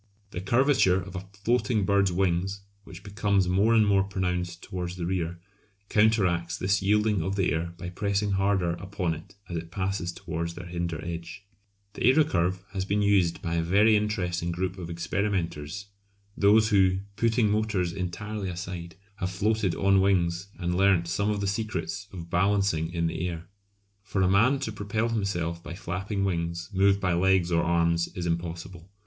The curvature of a floating bird's wings, which becomes more and more pronounced towards the rear, counteracts this yielding of the air by pressing harder upon it as it passes towards their hinder edge. [Illustration: M. Santos Dumont's Airship returning to Longchamps after doubling the Eiffel Tower, October 19, 1901.] The aerocurve has been used by a very interesting group of experimenters, those who, putting motors entirely aside, have floated on wings, and learnt some of the secrets of balancing in the air. For a man to propel himself by flapping wings moved by legs or arms is impossible.